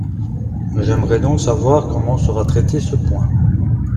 J’aimerais donc savoir comment sera traité ce point.